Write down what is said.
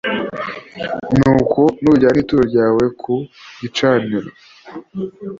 Nuko nujyana ituro ryawe ku gicaniro